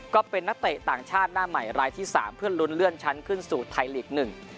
ก็เป็นนักเตะต่างชาติหน้าใหม่รายที่สามเพื่อลุ้นเลื่อนชั้นขึ้นสู่ไทยลีกหนึ่ง